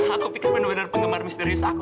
aku pikir benar benar penggemar misterius aku